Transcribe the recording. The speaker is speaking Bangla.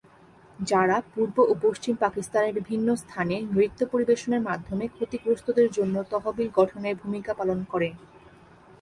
যারা পূর্ব ও পশ্চিম পাকিস্তানের বিভিন্ন স্থানে নৃত্য পরিবেশনের মাধ্যমে ক্ষতিগ্রস্তদের জন্য তহবিল গঠনে ভূমিকা পালন করে।